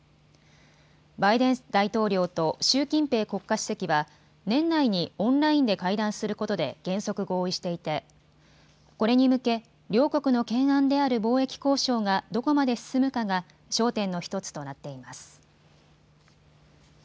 バイデン大統領と習近平国家主席は年内にオンラインで会談することで原則合意していてこれに向け両国の懸案である貿易交渉がどこまで進むかが焦点の１つとなっています。